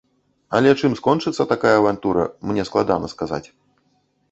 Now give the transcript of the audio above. Але чым скончыцца такая авантура, мне складана сказаць.